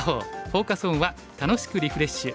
フォーカス・オンは「楽しくリフレッシュ！